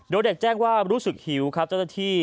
โดยเด็กแจ้งว่ารู้สึกหิวครับเจ้าหน้าที่